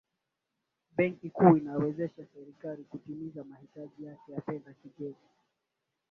benki kuu inaiwezesha serikali kutimiza mahitaji yake ya fedha za kigeni